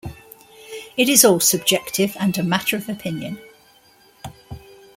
It is all subjective and a matter of opinion.